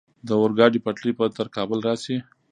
د اورګاډي پټلۍ به تر کابل راشي؟